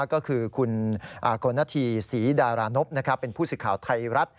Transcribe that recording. ก็คือคุณกลณฑีศรีดารานพเป็นผู้สื่อข่าวไทยรัฐ